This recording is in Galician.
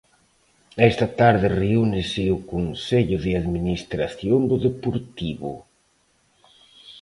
E esta tarde reúnese o Consello de Administración do Deportivo.